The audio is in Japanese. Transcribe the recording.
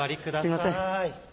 すいません。